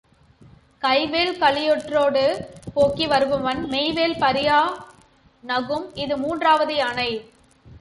கைவேல் களிற்றொடு போக்கி வருபவன் மெய்வேல் பறியா நகும். இது மூன்றாவது யானை.